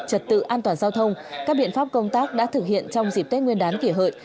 trật tự an toàn giao thông các biện pháp công tác đã thực hiện trong dịp tết nguyên đán kỷ hợi